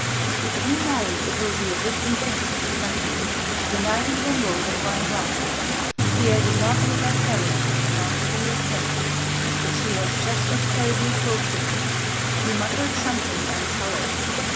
"If you marry it will be a different thing," she continued, uniting them both in one glance. Pierre did not look at Hélène nor she at him. But she was just as terribly close to him. He muttered something and colored.